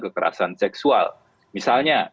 kekerasan seksual misalnya